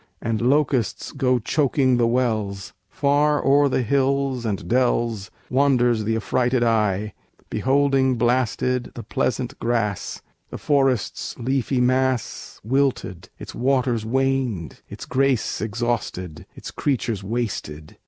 And locusts go Choking the wells. Far o'er the hills and dells Wanders th' affrighted eye, beholding blasted The pleasant grass: the forest's leafy mass Wilted; its waters waned; its grace exhausted; Its creatures wasted.